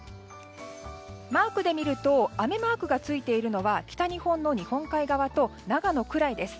マークで見ると雨マークがついているのは北日本の日本海側と長野くらいです。